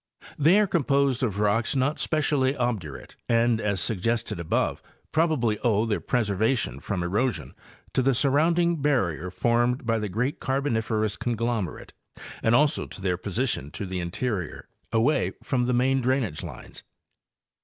They are composed of rocks not specially obdurate and, as suggested above, probably owe their preservation from erosion to the surrounding barrier formed by the great Carboniferous conglomerate, and also to their posi tion in the interior, away from the main drainage lines.